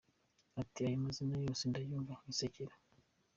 Ati “Ayo mazina yose ndayumva nkisekera.